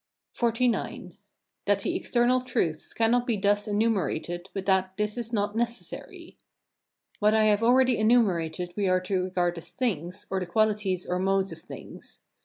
XLIX. That the eternal truths cannot be thus enumerated, but that this is not necessary. What I have already enumerated we are to regard as things, or the qualities or modes of things.